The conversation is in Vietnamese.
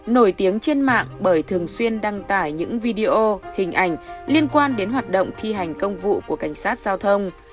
nổi tiếng trên mạng bởi thường xuyên đăng tải những video hình ảnh liên quan đến hoạt động thi hành công vụ của cảnh sát giao thông